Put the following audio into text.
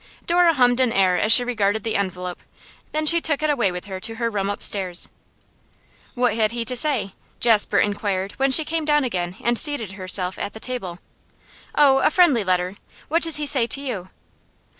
Dora hummed an air as she regarded the envelope, then she took it away with her to her room upstairs. 'What had he to say?' Jasper inquired, when she came down again and seated herself at the table. 'Oh, a friendly letter. What does he say to you?